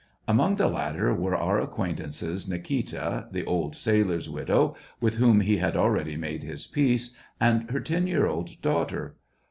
Among the latter were our acquaintances Nikita, the old sailor's widow, with whom he had already made his peace, and her ten year old daughter.